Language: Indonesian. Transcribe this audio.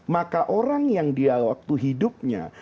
maka orang yang dia waktu hidupnya